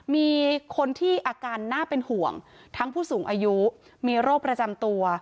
มีคนที่อาการน่าเป็นห่วงทั้งผู้สูงอายุมีโรคประจำตัว